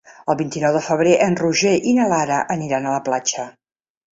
El vint-i-nou de febrer en Roger i na Lara aniran a la platja.